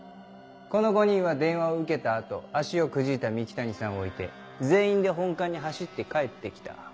この５人は電話を受けた後足をくじいた三鬼谷さんを置いて全員で本館に走って帰って来た。